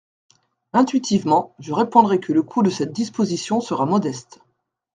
Intuitivement, je répondrai que le coût de cette disposition sera modeste.